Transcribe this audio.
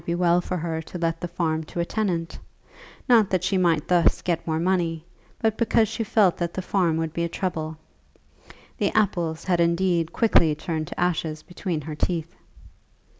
Then she began to think that it might be well for her to let the farm to a tenant; not that she might thus get more money, but because she felt that the farm would be a trouble. The apples had indeed quickly turned to ashes between her teeth!